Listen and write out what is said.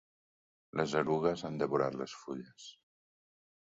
Les erugues han devorat les fulles.